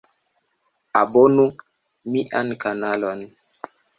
Abonu mian kanalon